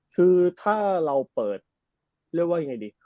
คือถ้าเราเปิดเรียกว่ายังไงดี